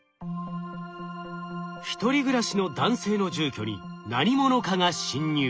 １人暮らしの男性の住居に何者かが侵入。